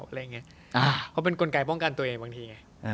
เพราะเป็นกลไกป้องกันตัวเองบางทีไง